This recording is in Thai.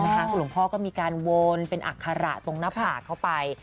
คุณพ่อก็มีการวนเป็นอัคระตรงหน้าผากเข้าไป